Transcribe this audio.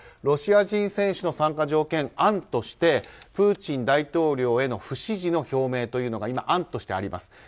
ロシア人選手の参加条件案としてプーチン大統領への不支持の表明というのが今、案としてあります。